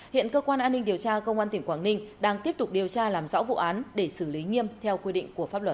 hiện cơ quan an ninh điều tra công an tỉnh quảng ninh đang tiếp tục điều tra làm rõ vụ án để xử lý nghiêm theo quy định của pháp luật